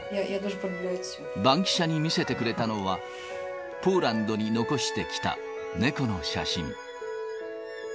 バンキシャに見せてくれたのは、ポーランドに残してきた猫の写真。